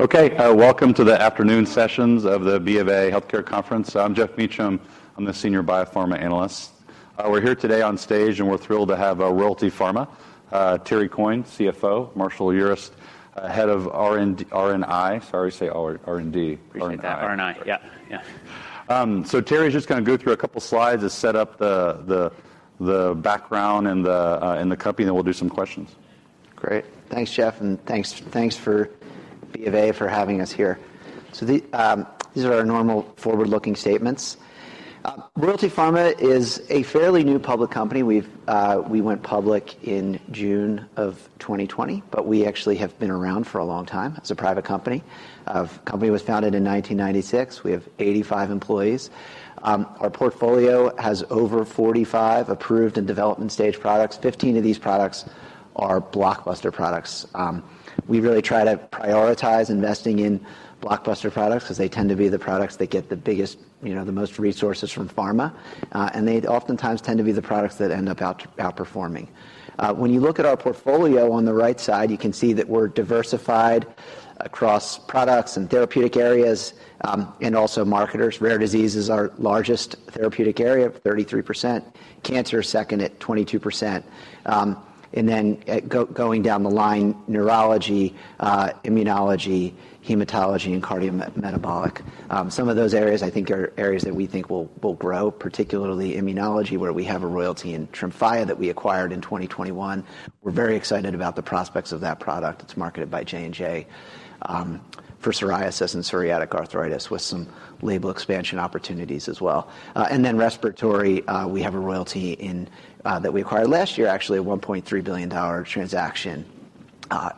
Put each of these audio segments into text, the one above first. Okay, welcome to the afternoon sessions of the BofA Healthcare Conference. I'm Geoff Meacham. I'm the Senior Biopharma Analyst. We're here today on stage, and we're thrilled to have Royalty Pharma, Terry Coyne, CFO, Marshall Urist, Head of R&I. Sorry, I say R&D. Appreciate that. R&I. R&I. Yep. Yeah. Terry is just gonna go through a couple slides to set up the background and the company, then we'll do some questions. Great. Thanks, Geoff, and thanks for BofA for having us here. These are our normal forward-looking statements. Royalty Pharma is a fairly new public company. We went public in June of 2020, but we actually have been around for a long time as a private company. Company was founded in 1996. We have 85 employees. Our portfolio has over 45 approved and development stage products. 15 of these products are blockbuster products. We really try to prioritize investing in blockbuster products 'cause they tend to be the products that get the biggest, you know, the most resources from pharma, and they'd oftentimes tend to be the products that end up outperforming. When you look at our portfolio on the right side, you can see that we're diversified across products and therapeutic areas, and also marketers. Rare disease is our largest therapeutic area of 33%. Cancer, second at 22%. Going down the line, neurology, immunology, hematology, and cardiometabolic. Some of those areas I think are areas that we think will grow, particularly immunology, where we have a royalty in TREMFYA that we acquired in 2021. We're very excited about the prospects of that product. It's marketed by J&J for psoriasis and psoriatic arthritis, with some label expansion opportunities as well. Respiratory, we have a royalty in that we acquired last year, actually, a $1.3 billion transaction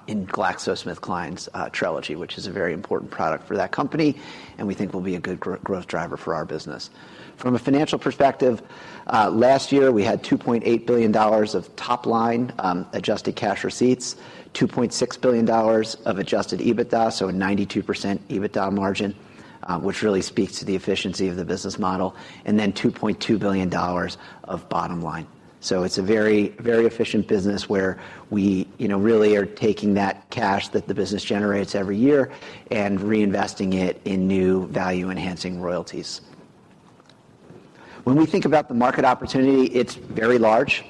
in GlaxoSmithKline's TRELEGY, which is a very important product for that company, and we think will be a good growth driver for our business. From a financial perspective, last year, we had $2.8 billion of top line, Adjusted Cash Receipts, $2.6 billion of Adjusted EBITDA, so a 92% EBITDA margin, which really speaks to the efficiency of the business model, and then $2.2 billion of bottom line. It's a very, very efficient business where we, you know, really are taking that cash that the business generates every year and reinvesting it in new value-enhancing royalties. When we think about the market opportunity, it's very large.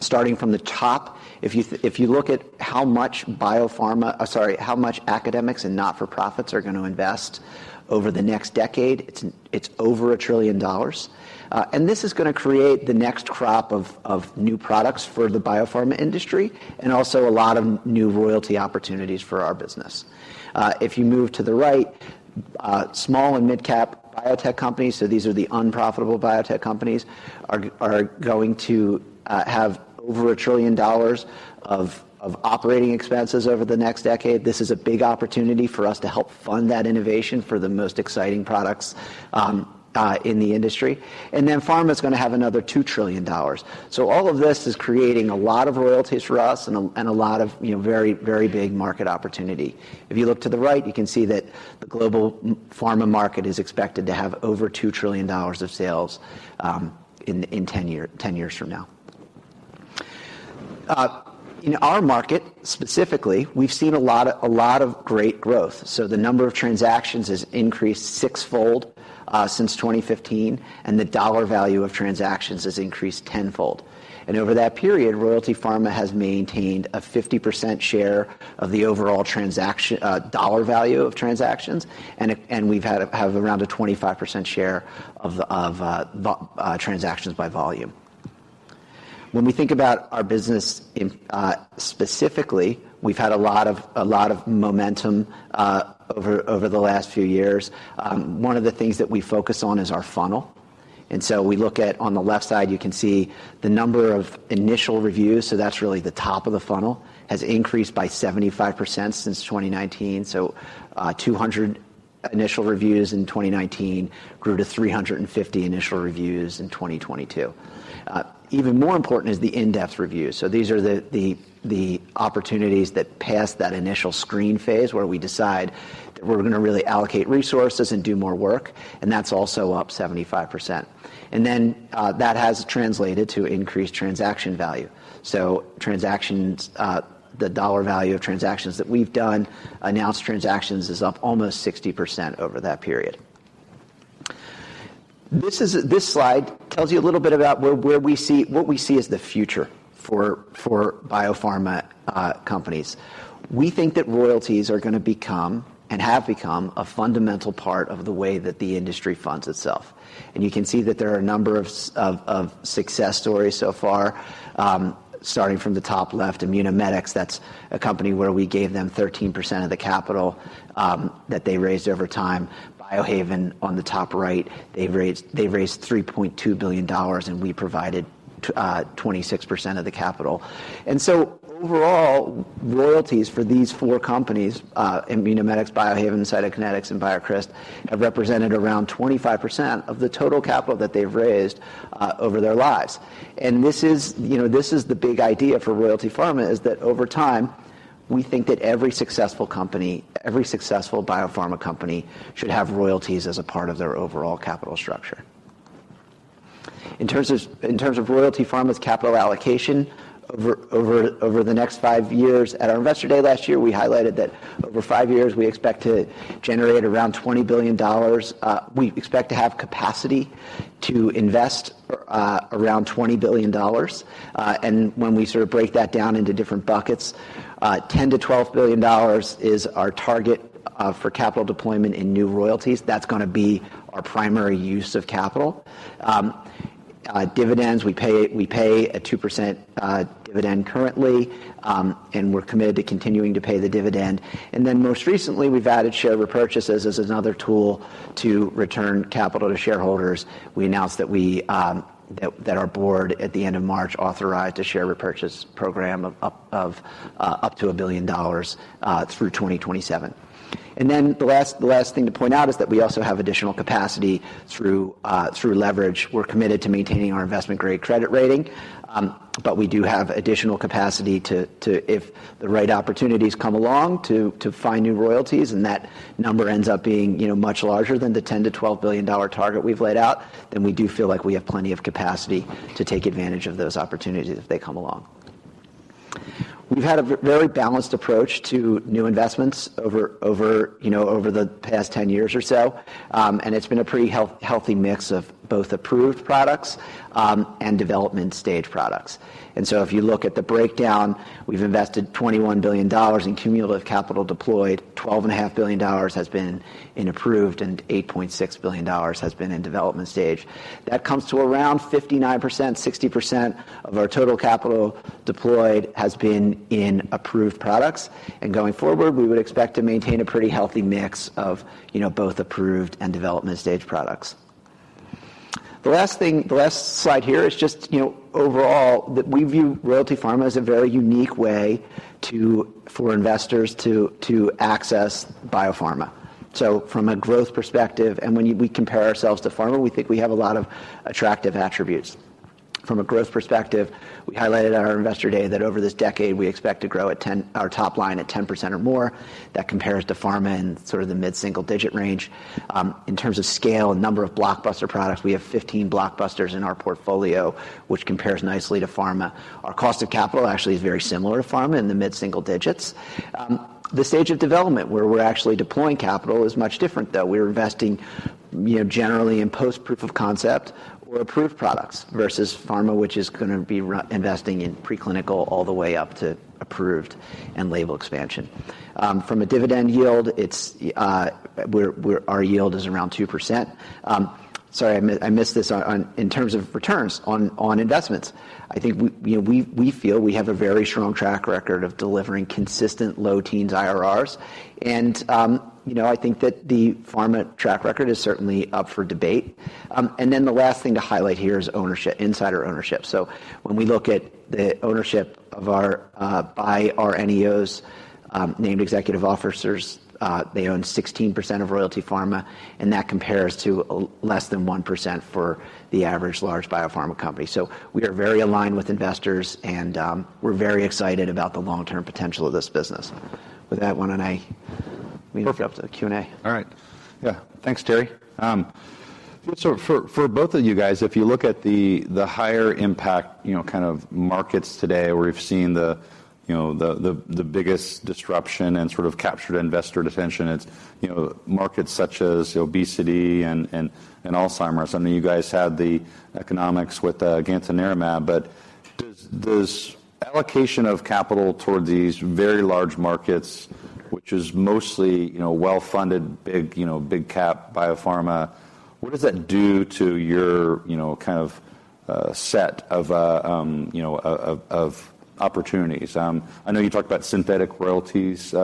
Starting from the top, if you look at how much biopharma, sorry, how much academics and not-for-profits are gonna invest over the next decade, it's over $1 trillion. This is gonna create the next crop of new products for the biopharma industry and also a lot of new royalty opportunities for our business. If you move to the right, small and midcap biotech companies, so these are the unprofitable biotech companies, are going to have over $1 trillion of operating expenses over the next decade. This is a big opportunity for us to help fund that innovation for the most exciting products in the industry. Pharma's gonna have another $2 trillion. All of this is creating a lot of royalties for us and a lot of, you know, very big market opportunity. If you look to the right, you can see that the global pharma market is expected to have over $2 trillion of sales in 10 years from now. In our market, specifically, we've seen a lot of great growth. The number of transactions has increased six-fold since 2015, and the dollar value of transactions has increased tenfold. Over that period, Royalty Pharma has maintained a 50% share of the overall transaction dollar value of transactions, and we've had around a 25% share of the transactions by volume. When we think about our business in specifically, we've had a lot of momentum over the last few years. One of the things that we focus on is our funnel. We look at, on the left side, you can see the number of initial reviews, so that's really the top of the funnel, has increased by 75% since 2019. 200 initial reviews in 2019 grew to 350 initial reviews in 2022. Even more important is the in-depth review. These are the opportunities that pass that initial screen phase, where we decide that we're gonna really allocate resources and do more work, and that's also up 75%. That has translated to increased transaction value. Transactions, the dollar value of transactions that we've done, announced transactions, is up almost 60% over that period. This slide tells you a little bit about where we see what we see as the future for biopharma companies. We think that royalties are gonna become, and have become, a fundamental part of the way that the industry funds itself. You can see that there are a number of success stories so far. Starting from the top left, Immunomedics, that's a company where we gave them 13% of the capital that they raised over time. Biohaven on the top right, they've raised $3.2 billion, and we provided 26% of the capital. Overall, royalties for these four companies, Immunomedics, Biohaven, Cytokinetics, and BioCryst, have represented around 25% of the total capital that they've raised over their lives. This is, you know, this is the big idea for Royalty Pharma, is that over time, we think that every successful company, every successful biopharma company should have royalties as a part of their overall capital structure. In terms of Royalty Pharma's capital allocation over the next five years, at our Investor Day last year, we highlighted that over five years we expect to generate around $20 billion. We expect to have capacity to invest around $20 billion. When we sort of break that down into different buckets, $10 billion-$12 billion is our target for capital deployment in new royalties. That's gonna be our primary use of capital. Dividends, we pay a 2% dividend currently, and we're committed to continuing to pay the dividend. Most recently, we've added share repurchases as another tool to return capital to shareholders. We announced that we that our board at the end of March authorized a share repurchase program up to $1 billion through 2027. The last thing to point out is that we also have additional capacity through leverage. We're committed to maintaining our investment-grade credit rating, but we do have additional capacity to if the right opportunities come along to find new royalties, and that number ends up being, you know, much larger than the $10 billion-$12 billion target we've laid out, then we do feel like we have plenty of capacity to take advantage of those opportunities if they come along. We've had a very balanced approach to new investments over, you know, over the past 10 years or so. It's been a pretty healthy mix of both approved products and development stage products. If you look at the breakdown, we've invested $21 billion in cumulative capital deployed. 12 and a half billion dollars has been in approved, and $8.6 billion has been in development stage. That comes to around 59%, 60% of our total capital deployed has been in approved products. Going forward, we would expect to maintain a pretty healthy mix of, you know, both approved and development stage products. The last slide here is just, you know, overall that we view Royalty Pharma as a very unique way to for investors to access biopharma. From a growth perspective, when we compare ourselves to pharma, we think we have a lot of attractive attributes. From a growth perspective, we highlighted at our Investor Day that over this decade we expect to grow our top line at 10% or more. That compares to pharma in sort of the mid-single digit range. In terms of scale and number of blockbuster products, we have 15 blockbusters in our portfolio, which compares nicely to pharma. Our cost of capital actually is very similar to pharma, in the mid-single digits. The stage of development where we're actually deploying capital is much different, though. We're investing, you know, generally in post proof of concept or approved products versus pharma, which is gonna be investing in preclinical all the way up to approved and label expansion. From a dividend yield, it's our yield is around 2%. Sorry, I missed this on... In terms of returns on investments, I think we, you know, we feel we have a very strong track record of delivering consistent low teens IRRs. You know, I think that the pharma track record is certainly up for debate. The last thing to highlight here is ownership, insider ownership. When we look at the ownership of our by our NEOs, named executive officers, they own 16% of Royalty Pharma, and that compares to less than 1% for the average large biopharma company. We are very aligned with investors, and we're very excited about the long-term potential of this business. With that one, and I mean if you're up to the Q&A. All right. Yeah. Thanks, Terry. For, for both of you guys, if you look at the higher impact kind of markets today where we've seen the biggest disruption and sort of captured investor attention, it's markets such as obesity and Alzheimer's. I mean, you guys had the economics with gantenerumab, but does allocation of capital toward these very large markets, which is mostly well-funded, big cap biopharma, what does that do to your kind of of opportunities? I know you talked about synthetic royalties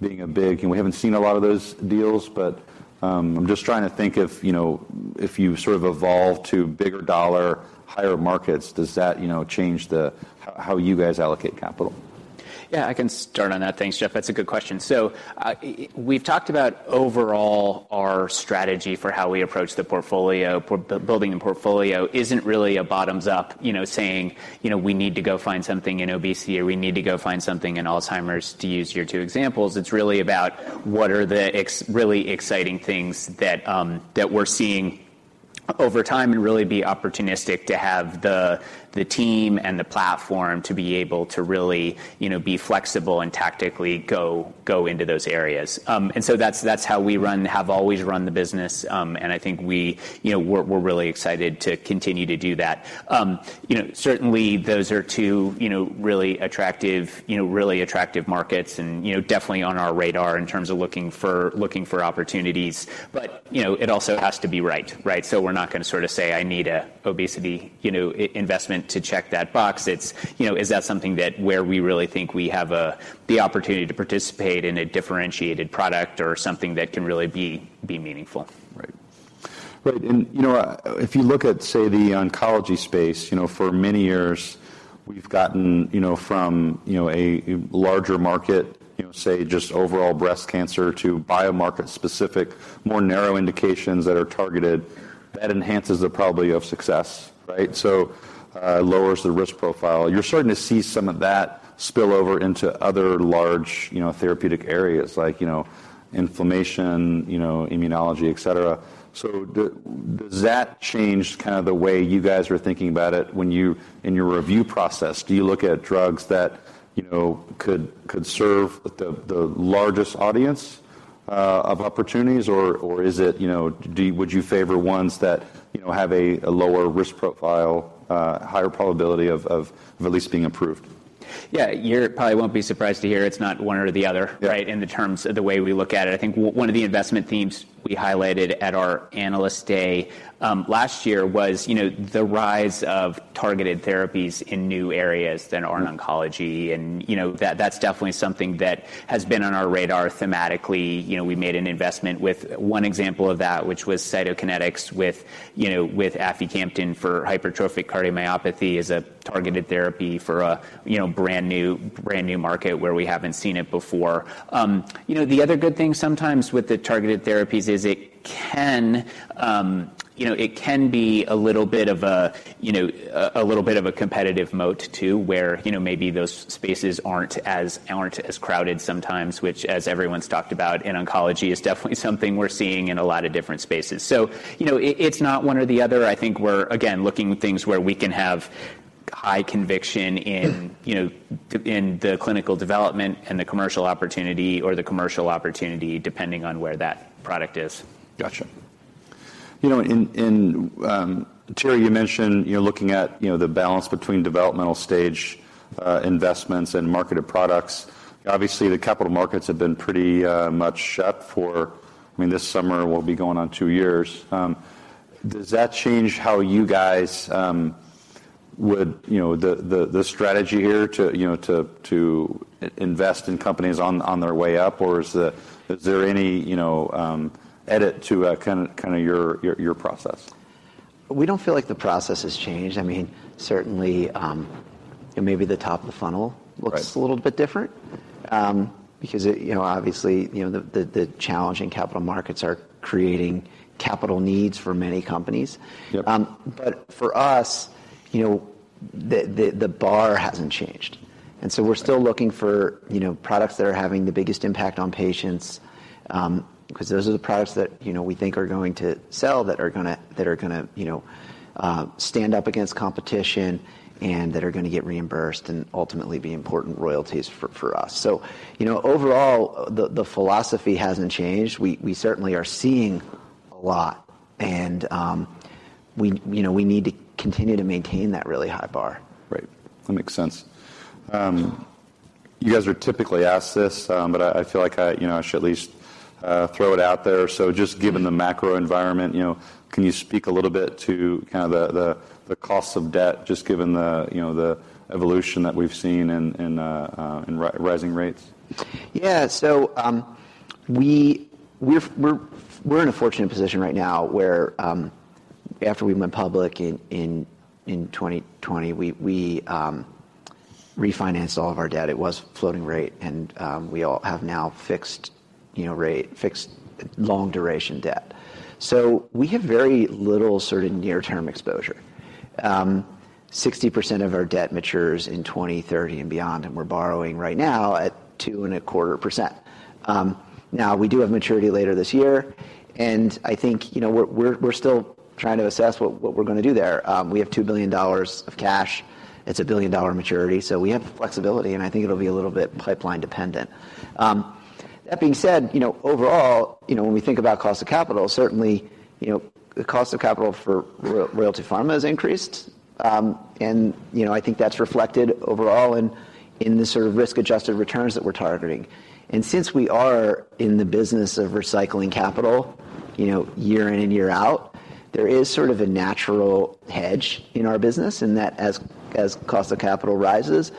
being a big... You know, we haven't seen a lot of those deals, but, I'm just trying to think if, you know, if you sort of evolve to bigger dollar, higher markets, does that, you know, change the how you guys allocate capital? Yeah, I can start on that. Thanks, Geoff. That's a good question. We've talked about overall our strategy for how we approach the portfolio. Building a portfolio isn't really a bottoms up, you know, saying, you know, we need to go find something in obesity or we need to go find something in Alzheimer's, to use your two examples. It's really about what are the really exciting things that we're seeing over time and really be opportunistic to have the team and the platform to be able to really, you know, be flexible and tactically go into those areas. That's, that's how we have always run the business. I think we, you know, we're really excited to continue to do that. You know, certainly those are two, you know, really attractive, you know, really attractive markets and, you know, definitely on our radar in terms of looking for opportunities. You know, it also has to be right? We're not gonna sort of say I need a obesity, you know, investment to check that box. It's, you know, is that something that where we really think we have the opportunity to participate in a differentiated product or something that can really be meaningful. Right. You know, if you look at, say, the oncology space, you know, for many years we've gotten, you know, from, you know, a larger market, you know, say just overall breast cancer to biomarker specific, more narrow indications that are targeted, that enhances the probability of success, right? Lowers the risk profile. You're starting to see some of that spill over into other large, you know, therapeutic areas like, you know, inflammation, you know, immunology, et cetera. Does that change kind of the way you guys are thinking about it when in your review process, do you look at drugs that, you know, could serve the largest audience of opportunities or is it, you know... Would you favor ones that, you know, have a lower risk profile, higher probability of release being approved? Yeah. You probably won't be surprised to hear it's not one or the other. Yeah... Right? In the terms of the way we look at it. I think one of the investment themes we highlighted at our analyst day last year was, you know, the rise of targeted therapies in new areas that aren't oncology and, you know, that's definitely something that has been on our radar thematically. You know, we made an investment with one example of that, which was Cytokinetics with, you know, with aficamten for hypertrophic cardiomyopathy as a targeted therapy for a, you know, brand new market where we haven't seen it before. You know, the other good thing sometimes with the targeted therapies is it can, you know, it can be a little bit of a, you know, a little bit of a competitive moat too, where, you know, maybe those spaces aren't as, aren't as crowded sometimes. Which, as everyone's talked about in oncology, is definitely something we're seeing in a lot of different spaces. You know, it's not one or the other. I think we're, again, looking at things where we can have high conviction, you know, in the clinical development and the commercial opportunity, depending on where that product is. Gotcha. You know, Terry, you mentioned you're looking at, you know, the balance between developmental stage investments and marketed products. Obviously, the capital markets have been pretty much shut for... I mean, this summer will be going on two years. Does that change how you guys would... You know, the strategy here to, you know, to invest in companies on their way up? Or is there any, you know, edit to kind of your process? We don't feel like the process has changed. I mean, certainly, maybe the top of the funnel. Right... a little bit different, because you know, obviously, you know, the challenging capital markets are creating capital needs for many companies. Yep. For us, you know, the, the bar hasn't changed. Right. We're still looking for, you know, products that are having the biggest impact on patients, 'cause those are the products that, you know, we think are going to sell, that are gonna stand up against competition and that are gonna get reimbursed and ultimately be important royalties for us. You know, overall, the philosophy hasn't changed. We certainly are seeing a lot and, you know, we need to continue to maintain that really high bar. Right. That makes sense. You guys are typically asked this, but I feel like I, you know, I should at least throw it out there. Just given the macro environment, you know, can you speak a little bit to kind of the, the cost of debt just given the, you know, the evolution that we've seen in rising rates? We're in a fortunate position right now where, after we went public in 2020, we refinanced all of our debt. It was floating rate and, we all have now fixed, you know, rate, fixed long duration debt. We have very little sort of near-term exposure. 60% of our debt matures in 2030 and beyond, and we're borrowing right now at 2.25%. Now we do have maturity later this year, and I think, you know, we're still trying to assess what we're gonna do there. We have $2 billion of cash. It's a $1 billion maturity. We have flexibility, and I think it'll be a little bit pipeline dependent. That being said, you know, overall, you know, when we think about cost of capital, certainly, you know, the cost of capital for Royalty Pharma has increased. You know, I think that's reflected overall in the sort of risk-adjusted returns that we're targeting. Since we are in the business of recycling capital, you know, year in and year out, there is sort of a natural hedge in our business and that as cost of capital rises,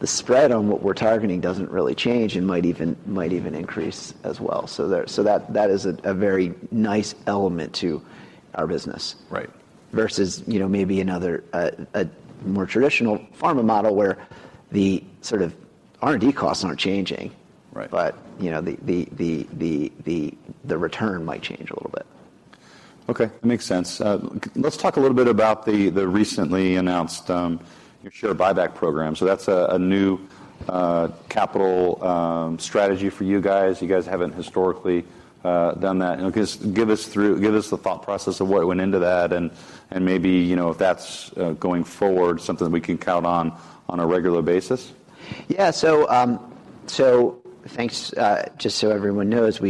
the spread on what we're targeting doesn't really change and might even, might even increase as well. That is a very nice element to our business... Right... versus, you know, maybe another, a more traditional pharma model where the sort of R&D costs aren't changing. Right You know, the return might change a little bit. Okay. That makes sense. Let's talk a little bit about the recently announced your share buyback program. That's a new capital strategy for you guys. You guys haven't historically done that. You know, just give us the thought process of what went into that and maybe, you know, if that's going forward something that we can count on on a regular basis? Thanks. Just so everyone knows,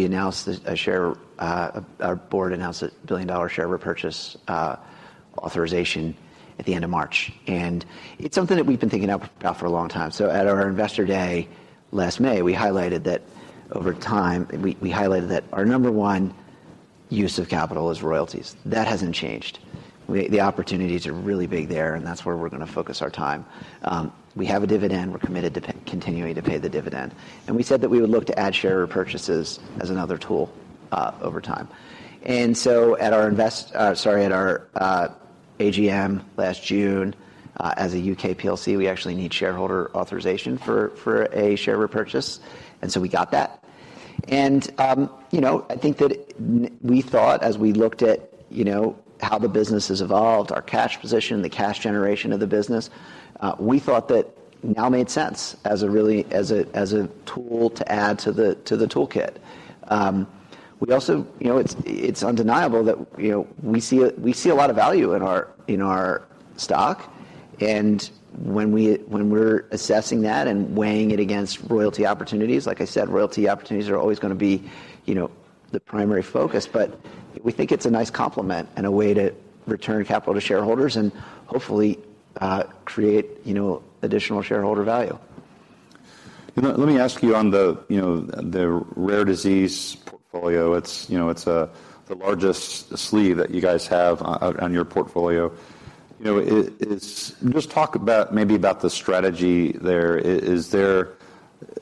our board announced a $1 billion share repurchase authorization at the end of March, and it's something that we've been thinking about for a long time. At our investor day last May, we highlighted that our number one use of capital is royalties. That hasn't changed. The opportunities are really big there, and that's where we're gonna focus our time. We have a dividend. We're committed to continuing to pay the dividend. We said that we would look to add share repurchases as another tool over time. So at our sorry, at our AGM last June, as a UK PLC, we actually need shareholder authorization for a share repurchase, and so we got that. You know, I think that we thought as we looked at, you know, how the business has evolved, our cash position, the cash generation of the business, we thought that now made sense as a really, as a, as a tool to add to the, to the toolkit. We also... You know, it's undeniable that, you know, we see a lot of value in our, in our stock, and when we're assessing that and weighing it against royalty opportunities, like I said, royalty opportunities are always gonna be, you know, the primary focus. We think it's a nice complement and a way to return capital to shareholders and hopefully, create, you know, additional shareholder value. Let me ask you on the, you know, the rare disease portfolio. It's, you know, it's a, the largest sleeve that you guys have on your portfolio. You know, it's. Just talk about maybe about the strategy there. Is there.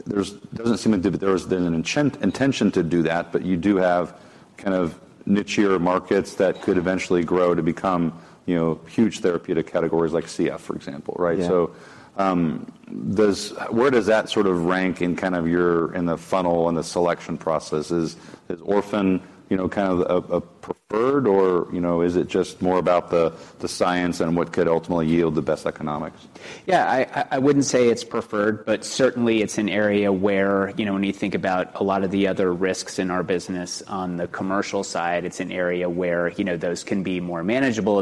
There's. It doesn't seem that there's been an intention to do that, but you do have kind of niche-ier markets that could eventually grow to become, you know, huge therapeutic categories like CF, for example, right? Yeah. Where does that sort of rank in the funnel and the selection process? Is orphan, you know, kind of a preferred, or, you know, is it just more about the science and what could ultimately yield the best economics? Yeah. I wouldn't say it's preferred, but certainly it's an area where, you know, when you think about a lot of the other risks in our business on the commercial side, it's an area where, you know, those can be more manageable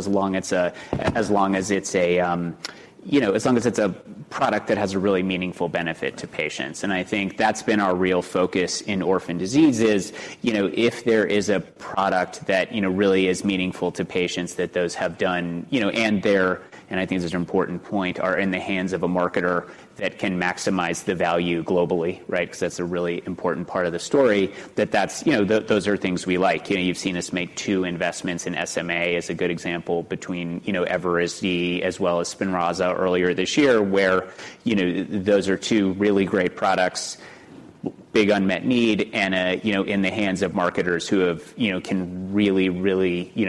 as long as it's a product that has a really meaningful benefit to patients. I think that's been our real focus in orphan disease is, you know, if there is a product that, you know, really is meaningful to patients that those have done, you know, and they're, and I think this is an important point, are in the hands of a marketer that can maximize the value globally, right? 'Cause that's a really important part of the story, that that's, you know, those are things we like. You know, you've seen us make two investments in SMA as a good example between, you know, Evrysdi as well as SPINRAZA earlier this year, where, you know, those are two really great products, big unmet need and a, you know, in the hands of marketers who have, you know, can really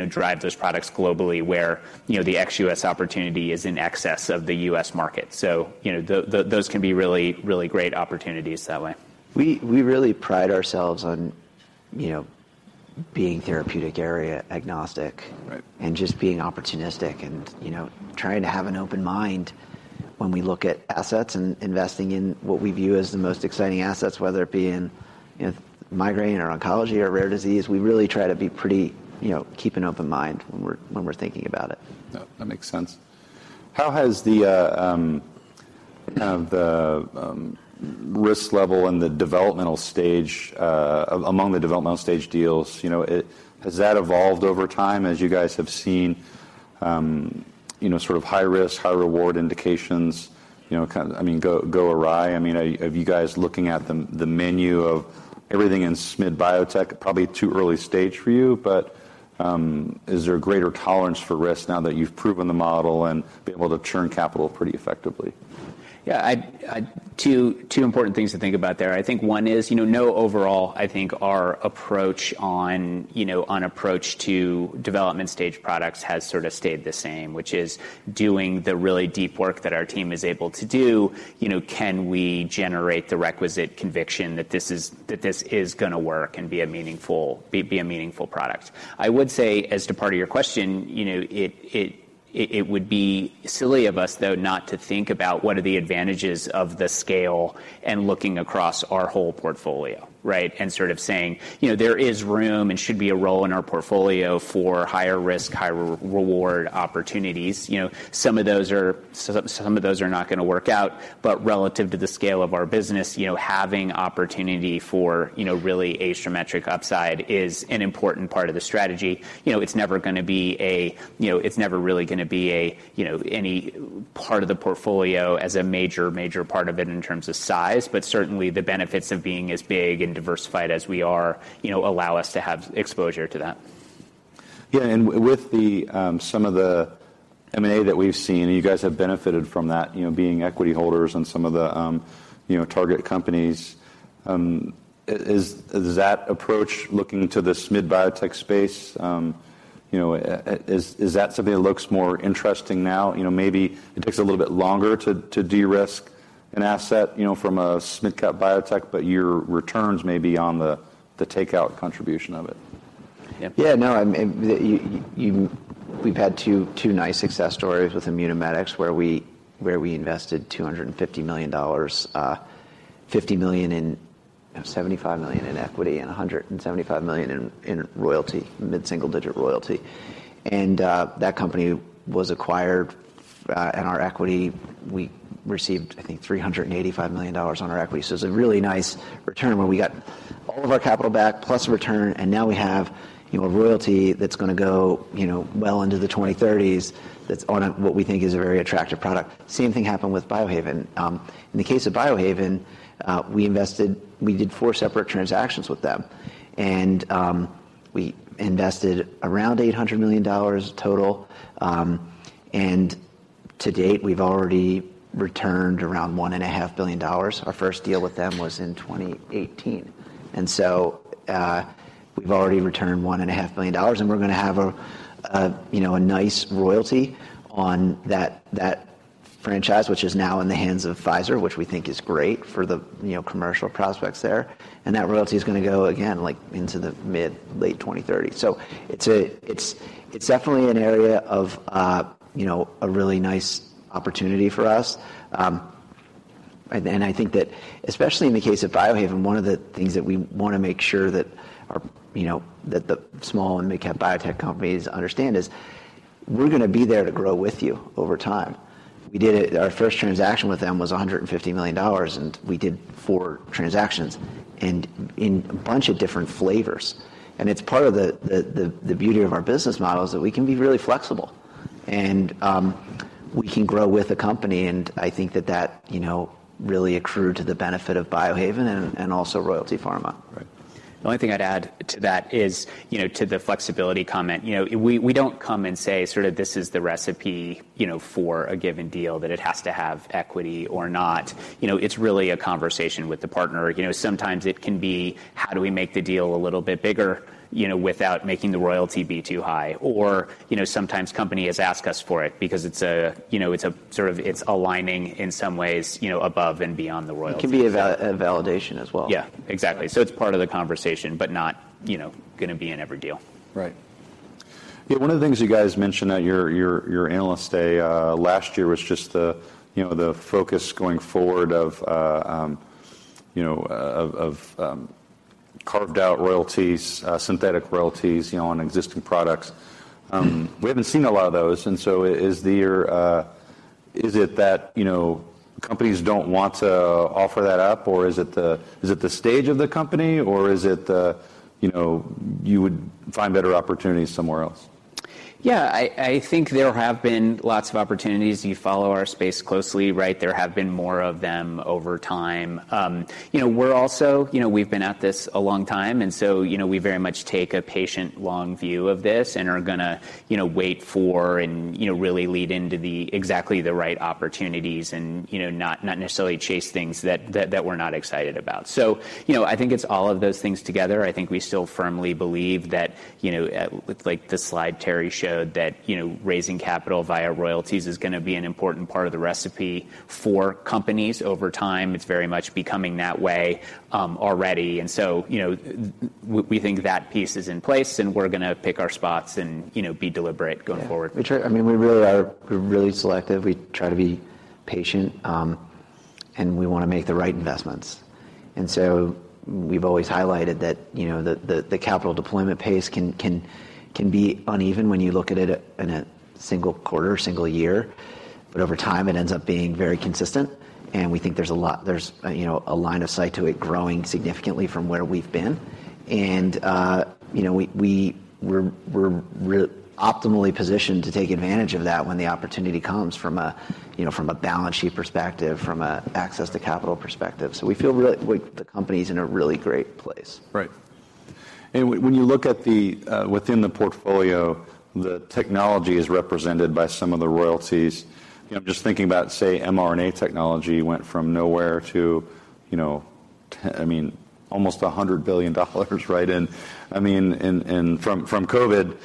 drive those products globally where, you know, the ex-US opportunity is in excess of the US market. You know, those can be really great opportunities that way. We really pride ourselves on, you know, being therapeutic area agnostic. Right... and just being opportunistic and, you know, trying to have an open mind when we look at assets and investing in what we view as the most exciting assets, whether it be in, you know, migraine or oncology or rare disease. We really try to be pretty, you know, keep an open mind when we're thinking about it. No, that makes sense. How has the, kind of the, risk level and the developmental stage, among the developmental stage deals, you know, has that evolved over time as you guys have seen, you know, sort of high-risk, high-reward indications, you know, kind of, I mean, go awry? I mean, are you guys looking at the menu of everything in SMid biotech? Probably too early stage for you, is there a greater tolerance for risk now that you've proven the model and be able to churn capital pretty effectively? Yeah. I... Two important things to think about there. I think one is, you know, no overall, I think our approach on, you know, on approach to development stage products has sort of stayed the same, which is doing the really deep work that our team is able to do. You know, can we generate the requisite conviction that this is gonna work and be a meaningful product? I would say, as to part of your question, you know, it would be silly of us, though, not to think about what are the advantages of the scale and looking across our whole portfolio, right? Sort of saying, "You know, there is room and should be a role in our portfolio for higher risk, higher reward opportunities." You know, some of those are, some of those are not gonna work out, but relative to the scale of our business, you know, having opportunity for, you know, really asymmetric upside is an important part of the strategy. You know, it's never gonna be. You know, it's never really gonna be a, you know, any part of the portfolio as a major part of it in terms of size, but certainly the benefits of being as big and diversified as we are, you know, allow us to have exposure to that. Yeah. With the some of the M&A that we've seen, and you guys have benefited from that, you know, being equity holders on some of the, you know, target companies, is that approach looking to the SMid biotech space? You know, is that something that looks more interesting now? You know, maybe it takes a little bit longer to de-risk an asset, you know, from a SMid cap biotech, but your returns may be on the takeout contribution of it. Yeah. No. We've had two nice success stories with Immunomedics where we invested $250 million, $75 million in equity and $175 million in royalty, mid-single-digit royalty. That company was acquired, and our equity, we received, I think, $385 million on our equity. It's a really nice return where we got all of our capital back plus a return, and now we have, you know, a royalty that's gonna go, you know, well into the 2030s that's on a, what we think is a very attractive product. Same thing happened with Biohaven. In the case of Biohaven, we did four separate transactions with them, and we invested around $800 million total. To date, we've already returned around one and a half billion dollars. Our first deal with them was in 2018. We've already returned one and a half billion dollars, and we're gonna have a, you know, a nice royalty on that franchise, which is now in the hands of Pfizer, which we think is great for the, you know, commercial prospects there. That royalty is gonna go, again, like, into the mid, late 2030s. It's definitely an area of, you know, a really nice opportunity for us. And I think that especially in the case of Biohaven, one of the things that we wanna make sure that our, you know, that the small and midcap biotech companies understand is we're gonna be there to grow with you over time. We did our first transaction with them was $150 million, and we did four transactions in a bunch of different flavors. It's part of the beauty of our business model is that we can be really flexible and we can grow with a company, and I think that that, you know, really accrued to the benefit of Biohaven and also Royalty Pharma. Right. The only thing I'd add to that is, you know, to the flexibility comment, you know, we don't come and say sort of this is the recipe, you know, for a given deal, that it has to have equity or not. You know, it's really a conversation with the partner. You know, sometimes it can be, how do we make the deal a little bit bigger, you know, without making the royalty be too high? You know, sometimes company has asked us for it because it's a, you know, it's a sort of it's aligning in some ways, you know, above and beyond the royalty. It can be a validation as well. Yeah, exactly. It's part of the conversation, but not, you know, gonna be in every deal. Right. Yeah, one of the things you guys mentioned at your Analyst Day last year was just the, you know, the focus going forward of, you know, of carved-out royalties, synthetic royalties, you know, on existing products. We haven't seen a lot of those. Is it that, you know, companies don't want to offer that up, or is it the, is it the stage of the company, or is it the, you know, you would find better opportunities somewhere else? Yeah, I think there have been lots of opportunities. You follow our space closely, right? There have been more of them over time. You know, we're also. You know, we've been at this a long time, and so, you know, we very much take a patient long view of this and are gonna, you know, wait for and, you know, really lead into the exactly the right opportunities and, you know, not necessarily chase things that we're not excited about. You know, I think it's all of those things together. I think we still firmly believe that, you know, with like the slide Terry showed, that, you know, raising capital via royalties is gonna be an important part of the recipe for companies over time. It's very much becoming that way already. You know, we think that piece is in place, and we're gonna pick our spots and, you know, be deliberate going forward. Yeah. I mean, we're really selective. We try to be patient, and we wanna make the right investments. We've always highlighted that, you know, the capital deployment pace can be uneven when you look at it at, in a single quarter, single year. Over time, it ends up being very consistent, and we think there's, you know, a line of sight to it growing significantly from where we've been. You know, we're optimally positioned to take advantage of that when the opportunity comes from a, you know, from a balance sheet perspective, from a access to capital perspective. We feel really the company's in a really great place. Right. When you look at the within the portfolio, the technology is represented by some of the royalties. You know, I'm just thinking about, say, mRNA technology went from nowhere to, you know, I mean, almost $100 billion right in... I mean, in... From COVID.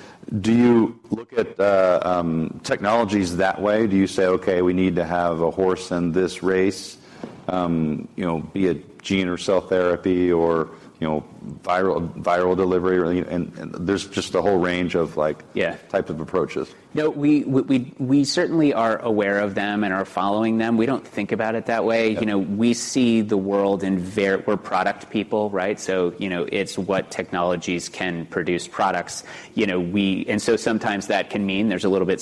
Do you look at technologies that way? Do you say, "Okay, we need to have a horse in this race," you know, be it gene or cell therapy or, you know, viral delivery or... There's just a whole range of like. Yeah... type of approaches. No, we certainly are aware of them and are following them. We don't think about it that way. Yeah. You know, we see the world in We're product people, right? You know, it's what technologies can produce products. You know, we... sometimes that can mean there's a little bit-